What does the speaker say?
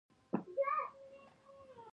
احمد خبره وسهله او علي ته يې هيڅ و نه ويل.